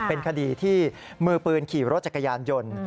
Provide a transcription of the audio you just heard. เป็นคดีที่มือปืนขี่รถจักรยานยนต์